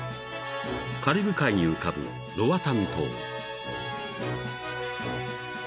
［カリブ海に浮かぶロアタン島］